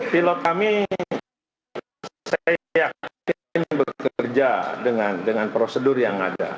pilot kami saya yakin bekerja dengan prosedur yang ada